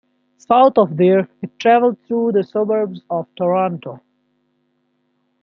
South of there, it travelled through the suburbs of Toronto.